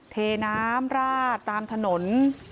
เทน้ำราดตามถนน